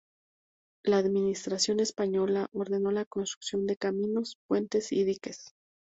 La administración española ordenó la construcción de caminos, puentes y diques.